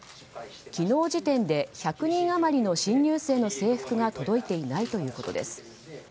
昨日時点で１００人余りの新入生の制服が届いていないということです。